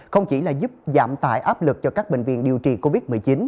không chỉ là giúp giảm tải áp lực cho các bệnh viện điều trị covid một mươi chín